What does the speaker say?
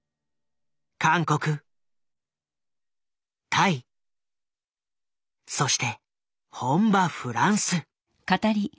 韓国タイそして本場フランス。